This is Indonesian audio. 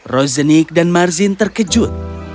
rosenick dan marzin terkejut